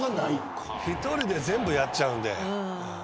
１人で全部やっちゃうので。